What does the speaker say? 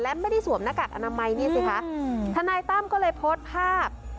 และไม่ได้สวมหน้ากากอนามัยนี่สิคะทนายตั้มก็เลยโพสต์ภาพ